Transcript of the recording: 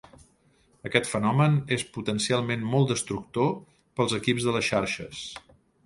Aquest fenomen és potencialment molt destructor per als equips de les xarxes.